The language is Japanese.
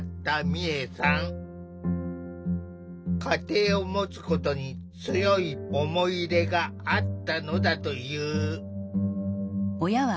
家庭を持つことに強い思い入れがあったのだという。